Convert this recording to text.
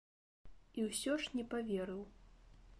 І ўсё ж не паверыў.